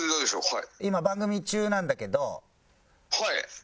「はい」